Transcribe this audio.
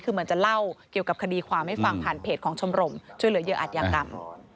คือเหมือนจะเล่าเกี่ยวกับคดีความให้ฟังผ่านเพจของชมรมช่วยเหลือเหยื่ออัตยากรรม